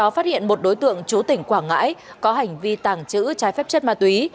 phát hiện một đối tượng chú tỉnh quảng ngãi có hành vi tàng trữ trái phép chất ma túy